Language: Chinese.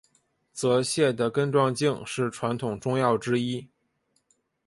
泽泻的根状茎是传统中药之一。